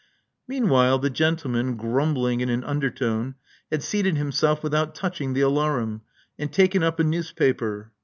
Meanwhile the gentleman, grumbling in an under tone, had seated himself without touching the alarum, and taken up a newspaper.